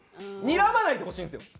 にらまないでほしいんですよ。